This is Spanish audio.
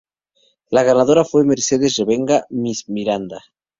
La ganadora fue Mercedes Revenga, Miss Miranda.